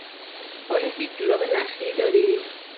آیا هیچ جوراب نخی دارید؟